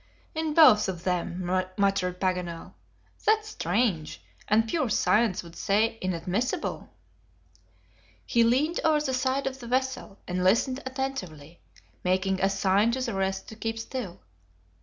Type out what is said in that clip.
"In both of them!" muttered Paganel; "that's strange, and pure science would say inadmissible." He leaned over the side of the vessel, and listened attentively, making a sign to the rest to keep still.